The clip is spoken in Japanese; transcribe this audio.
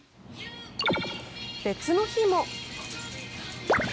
別の日も。